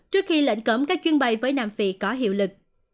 trước khi lệnh cấm các chuyến bay với nam phi có hiệu lực